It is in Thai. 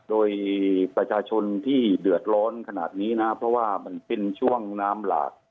โดยประชาชนที่เดือดร้อนขนาดนี้นะเพราะว่ามันเป็นช่วงน้ำหลาก